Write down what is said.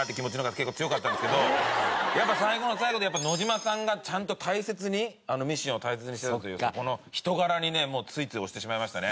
やっぱ最後の最後で野島さんがちゃんと大切にミシンを大切にしてたというこの人柄にねついつい押してしまいましたね。